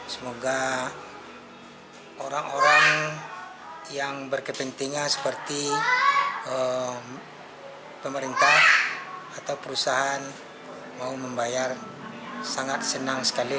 semoga orang orang yang berkepentingan seperti pemerintah atau perusahaan mau membayar sangat senang sekali